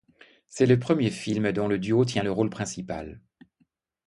C'est le premier film dont le duo tient le rôle principal.